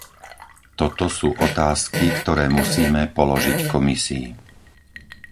Toto sú otázky, ktoré musíme položiť Komisii.